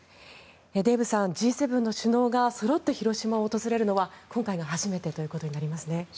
デーブさん、Ｇ７の首脳がそろって広島を訪れるのは今回が初めてということになりますね。